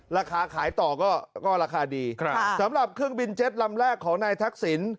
ราคาขายต่อก็ราคาดีสำหรับเครื่องบินเจ็ตลำแรกของนายทักษิณ